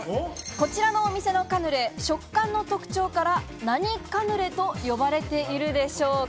こちらのお店のカヌレ、食感の特徴から何カヌレと呼ばれているでしょうか？